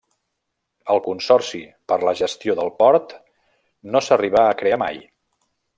El consorci per la gestió del port no s'arribà a crear mai.